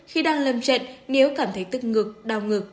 khi đang lâm trận nếu cảm thấy tức ngực đau ngực